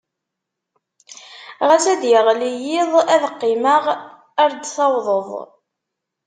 Ɣas ad d-yeɣli yiḍ, ad qqimeɣ ar d-tawḍeḍ.